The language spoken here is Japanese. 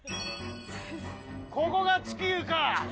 ここが地球か。